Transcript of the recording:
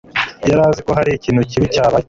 yari azi ko hari ikintu kibi cyabaye.